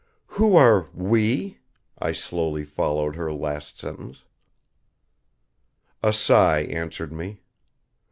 "Who are 'we'?" I slowly followed her last sentence. A sigh answered me.